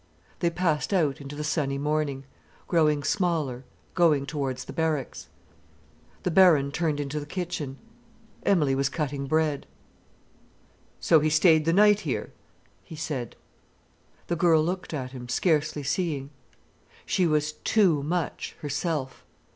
They passed out into the sunny morning, growing smaller, going towards the barracks. The Baron turned into the kitchen. Emilie was cutting bread. "So he stayed the night here?" he said. The girl looked at him, scarcely seeing. She was too much herself.